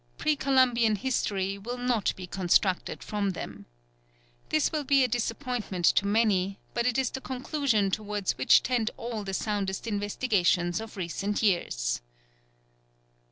Pre Columbian history will not be constructed from them. This will be a disappointment to many, but it is the conclusion towards which tend all the soundest investigations of recent years."